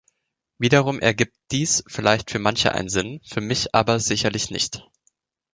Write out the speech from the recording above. Wiederum ergibt dies vielleicht für manche einen Sinn, für mich aber sicherlich nicht.